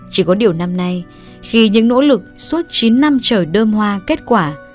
chỉ có điều năm nay khi những nỗ lực suốt chín năm chờ đơm hoa kết quả